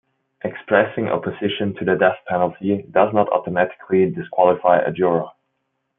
Expressing opposition to the death penalty does not automatically disqualify a juror.